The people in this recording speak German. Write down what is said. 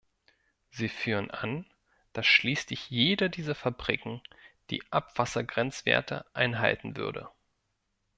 Sie führen an, dass schließlich jede dieser Fabriken die Abwassergrenzwerte einhalten würde.